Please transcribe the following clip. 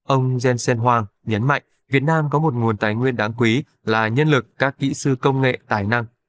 ông jensen huang nhấn mạnh việt nam có một nguồn tài nguyên đáng quý là nhân lực các kỹ sư công nghệ tài năng